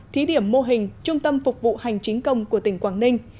thí điểm mô hình trung tâm phục vụ hành chính công của tỉnh quảng ninh